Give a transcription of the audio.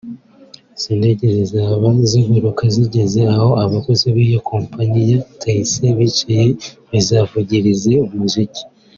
Izo ndege zizaba ziguruka zigere aho abakozi b’iyo kompanyi ya Taisei bicaye zibavugirize umuziki